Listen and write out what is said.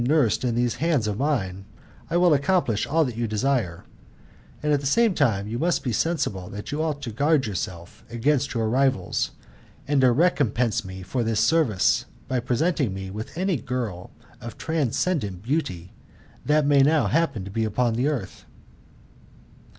nursed in these hands of mine, I will accomplish all that you desire ; and at the same time you must be sensible that you ought to guard against your rivals, and to recompense me for this service, by presenting me with any girl of transcendent beauty that may now happen to be upon the earth."